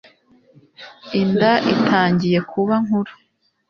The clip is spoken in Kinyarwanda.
inda itangiye kuba nkuru